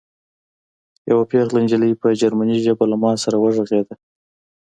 یوه پېغله نجلۍ په جرمني ژبه له ما سره وغږېده